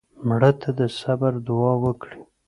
مړه ته د صبر دوعا وکړې